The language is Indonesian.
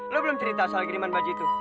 lo belum cerita soal kiriman baju itu